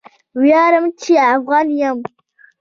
ویاړم چې افغان یم!